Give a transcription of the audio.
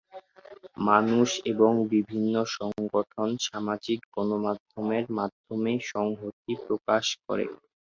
মানুষ এবং বিভিন্ন সংগঠন সামাজিক গণমাধ্যমের মাধ্যমে সংহতি প্রকাশ করে।